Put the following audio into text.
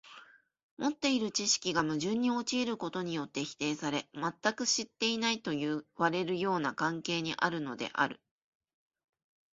持っている知識が矛盾に陥ることによって否定され、全く知っていないといわれるような関係にあるのである。